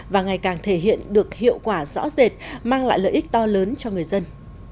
và ngày càng thể hiện được hiệu quả rõ rệt mang lại lợi ích to lớn cho người dân